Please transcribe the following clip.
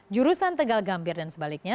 jurusan tegal gambir dan sebaliknya